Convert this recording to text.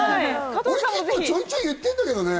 俺ちょいちょい言ってるんだけどね。